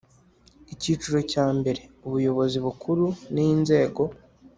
Icyiciro cya mbere Ubuyobozi Bukuru n inzego